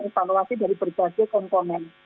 evaluasi dari berbagai komponen